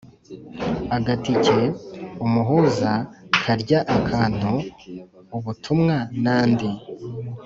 agatike, umuhuza, kurya akantu, ubutumwa n’andi.